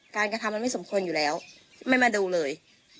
กระทำมันไม่สมควรอยู่แล้วไม่มาดูเลย